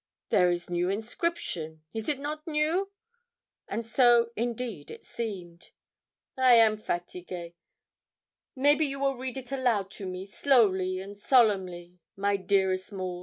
There is new inscription is it not new?' And so, indeed, it seemed. 'I am fatigue maybe you will read it aloud to me slowly and solemnly, my dearest Maud?'